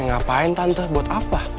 ngapain tante buat apa